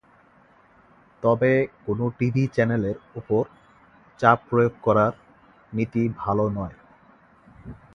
তবে কোনো টিভি চ্যানেলের ওপর চাপ প্রয়োগ করার নীতি ভালো নয়।